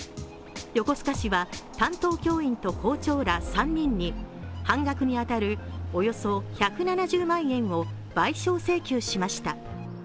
横須賀市は担当教員と校長ら３人に半額に当たるおよそ１７０万円を賠償請求しました。